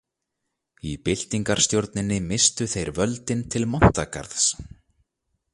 Í byltingarstjórninni misstu þeir völdin til Montagarðs.